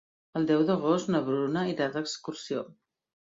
El deu d'agost na Bruna irà d'excursió.